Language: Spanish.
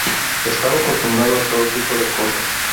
Estaba acostumbrado a todo tipo de cosas.